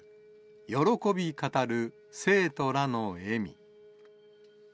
喜び語る生徒らの笑み。